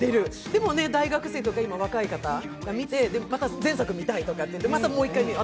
でも、大学生とか今の若い方が見てまた前作を見たいとか言ってまたもう１回見る。